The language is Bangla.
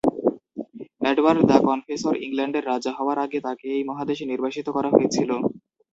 এডওয়ার্ড দ্যা কনফেসর ইংল্যান্ডের রাজা হওয়ার আগে তাকে এই মহাদেশে নির্বাসিত করা হয়েছিল।